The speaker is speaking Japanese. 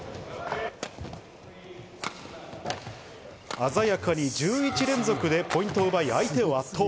鮮やかに１１連続でポイントを奪い相手を圧倒。